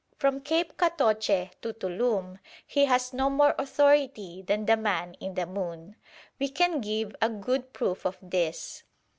From Cape Catoche to Tuloom, he has no more authority than the man in the moon. We can give a good proof of this.